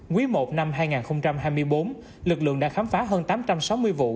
quý i năm hai nghìn hai mươi bốn lực lượng đã khám phá hơn tám trăm sáu mươi vụ